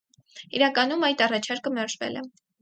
Իրականում այդ առաջարկը մերժվել է։